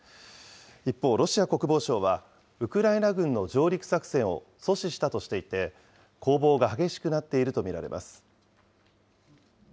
一方、ロシア国防省は、ウクライナ軍の上陸作戦を阻止したとしていて、攻防が激しくなっていると見られます。